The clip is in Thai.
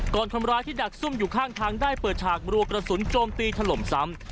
คนร้ายที่ดักซุ่มอยู่ข้างทางได้เปิดฉากบรัวกระสุนโจมตีถล่มซ้ำ